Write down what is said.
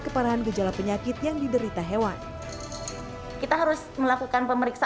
keparahan gejala penyakit yang diderita hewan kita harus melakukan perubahan dan memperlukan